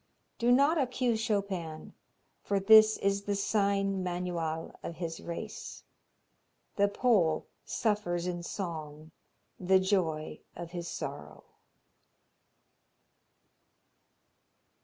Do not accuse Chopin, for this is the sign manual of his race. The Pole suffers in song the joy of his sorrow.